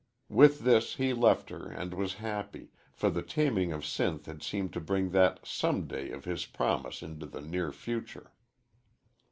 With this he left her and was happy, for the taming of Sinth had seemed to bring that "some day" of his promise into the near future.